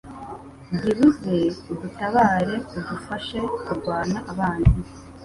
Gira uze udutabare udufashe kurwanya abanzi